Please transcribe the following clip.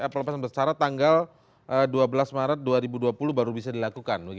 pelepasan bersyarat tanggal dua belas maret dua ribu dua puluh baru bisa dilakukan